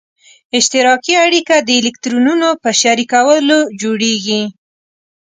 اشتراکي اړیکه د الکترونونو په شریکولو جوړیږي.